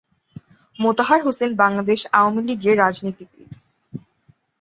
মোতাহার হোসেন বাংলাদেশ আওয়ামী লীগের রাজনীতিবিদ।